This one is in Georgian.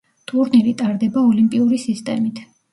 ტურნირი ტარდება ოლიმპიური სისტემით.